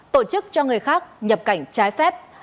tổ chức cho người khác nhập cảnh trái phép